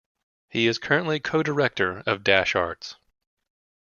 He is currently co-director of Dash Arts.